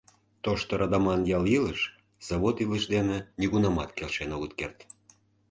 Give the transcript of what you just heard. — Тошто радаман ял илыш завод илыш дене нигунамат келшен огыт керт.